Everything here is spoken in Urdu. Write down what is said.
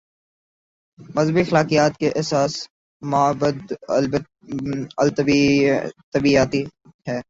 مذہبی اخلاقیات کی اساس مابعد الطبیعیاتی ہے۔